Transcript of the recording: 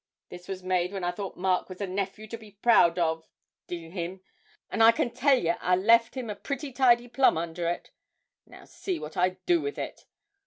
This was made when I thought Mark was a nephew to be proud of d n him and I can tell yer I left him a pretty tidy plum under it. Now see what I do with it.